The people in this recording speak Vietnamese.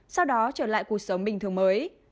sau đó trở lại cuộc sống bình thường mới